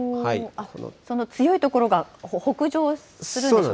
その強い所が北上するんでしょうか。